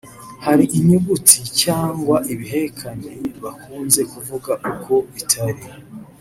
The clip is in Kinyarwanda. hari inyuguti cyangwa ibihekane bakunze kuvuga uko bitari